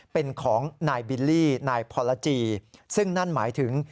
เป็นของนายบิลลี่นายพรจีซึ่งนั่นหมายถึง